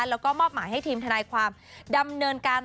แล้วก็มอบหมายให้ทีมทนายความดำเนินการ